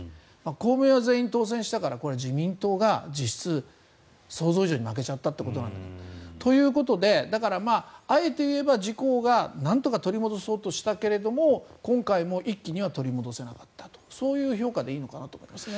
公明は全員当選したから自民党が実質、想像以上に負けちゃったということなんですがということでだから、あえて言えば自公がなんとか取り戻そうとしたけども今回も一気には取り戻せなかったという評価でいいのかなと思いますね。